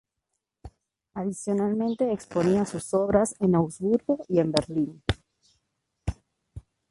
Adicionalmente exponía sus obras en Augsburgo y en Berlín.